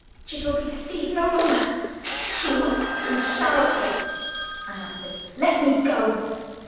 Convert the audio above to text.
"She shall be deceived no longer she must, and shall, hear it," I answered. "Let me go!"